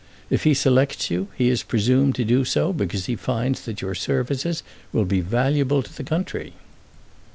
If he selects you, he is presumed to do so because he finds that your services will be valuable to the country."